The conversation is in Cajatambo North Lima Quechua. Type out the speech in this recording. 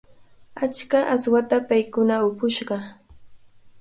Achka aswata paykuna upushqa.